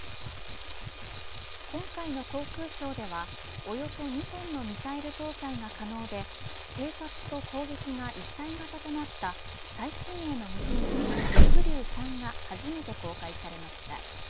今回の航空ショーではおよそ２トンのミサイル搭載が可能で偵察と攻撃が一体型となった最新鋭の無人機、翼竜３が初めて公開されました。